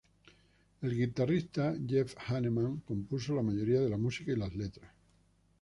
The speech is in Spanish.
El guitarrista Jeff Hanneman compuso la mayoría de la música y las letras.